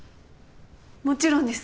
もちろんです